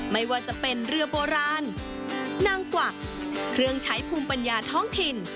ไม่ว่าจะเป็นเรือโบราณนางกวักเครื่องใช้ภูมิปัญญาท้องถิ่น